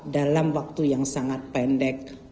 dalam waktu yang sangat pendek